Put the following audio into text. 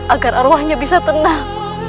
agar arwahnya bisa tenang